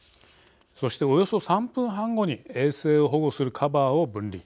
そして、およそ３分半後に衛星を保護するカバーを分離。